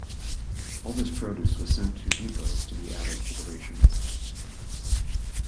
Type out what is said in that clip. All this produce was sent to depots to be added to the rations.